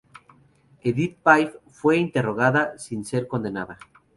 Édith Piaf fue interrogada, sin ser condenada.